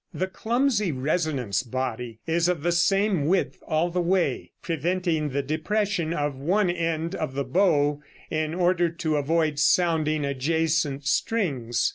The clumsy resonance body is of the same width all the way, preventing the depression of one end of the bow in order to avoid sounding adjacent strings.